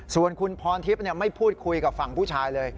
ส่วนคุณพรทิพย์ไม่พูดคุยกับฝั่งผู้ชายเลย